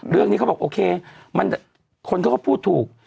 เรื่องนี้เขาบอกโอเคคนก็พูดถูก